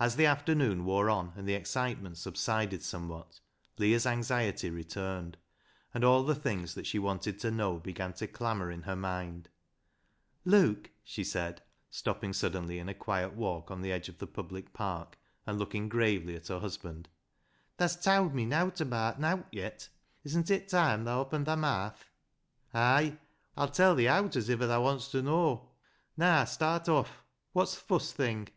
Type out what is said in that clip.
As the afternoon wore on and the excitement subsided somewhat, Leah's anxiety returned, and all the things that she wanted to know began to clamour in her mind. " Luke," she said, stopping suddenly in a quiet walk on the edge of the public park and looking gravely at her husband, " tha's towd me nowt abaat nowt yet. Isn't it toime thaa oppened thi maath ?"" Hay ! Aw'll tell thi owt as iver thaa wants ta know. Naa, start off. Wot's th' fust thing